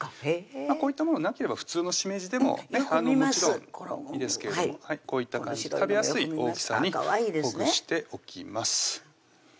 こういったものなければ普通のしめじでももちろんいいですけれどもこういった感じ食べやすい大きさにほぐしておきます